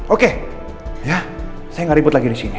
oke ya saya gak ribut lagi disini